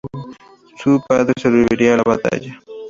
Su padre sobrevivirá a la batalla.